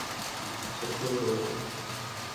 سٺو سوچ.